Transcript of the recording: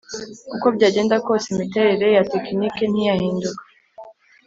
Uko byagenda kose imiterere ya tekiniki ntiyahinduka